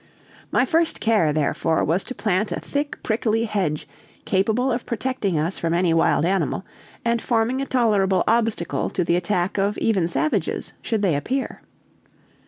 My first care, therefore, was to plant a thick, prickly hedge capable of protecting us from any wild animal, and forming a tolerable obstacle to the attack of even savages, should they appear.